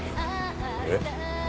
えっ？